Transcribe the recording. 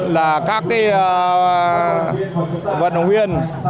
là các cái vận động viên